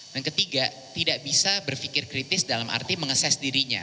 dan ketiga tidak bisa berpikir kritis dalam arti mengases dirinya